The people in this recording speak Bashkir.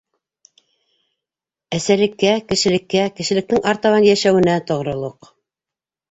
Әсәлеккә, кешелеккә, кешелектең артабан йәшәүенә тоғролоҡ.